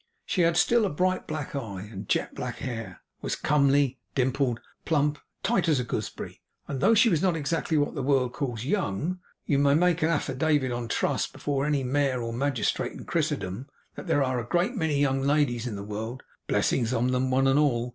She had still a bright black eye, and jet black hair; was comely, dimpled, plump, and tight as a gooseberry; and though she was not exactly what the world calls young, you may make an affidavit, on trust, before any mayor or magistrate in Christendom, that there are a great many young ladies in the world (blessings on them one and all!)